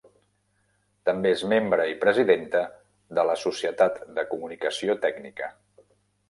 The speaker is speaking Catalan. També és membre i presidenta de la Societat de Comunicació Tècnica.